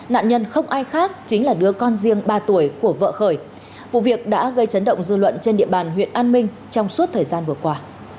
nạn nhân không ai khác chính là đứa con riêng ba tuổi của vợ khởi vụ việc đã gây chấn động dư luận trên địa bàn huyện an minh trong suốt thời gian vừa qua